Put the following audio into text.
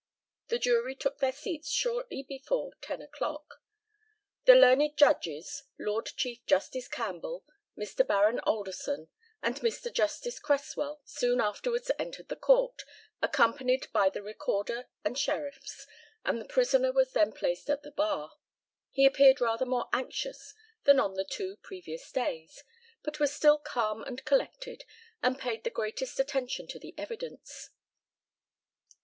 The jury took their seats shortly before ten o'clock. The learned judges, Lord Chief Justice Campbell, Mr. Baron Alderson, and Mr. Justice Cresswell, soon afterwards entered the court, accompanied by the Recorder and Sheriffs, and the prisoner was then placed at the bar. He appeared rather more anxious than on the two previous days, but was still calm and collected, and paid the greatest attention to the evidence.